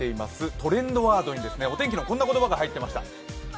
トレンドワードにお天気のこんな言葉が入っていました。